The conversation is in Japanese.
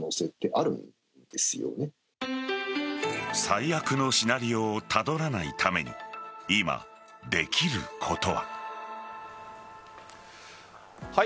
最悪のシナリオをたどらないために今、できることは。